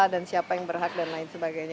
dan siapa yang berhak dan lain sebagainya